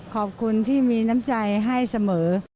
ขอบคุณที่มีน้ำใจให้เสมอ